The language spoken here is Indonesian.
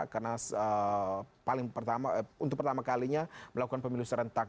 karena untuk pertama kalinya melakukan pemilu serentak